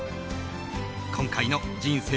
今回の人生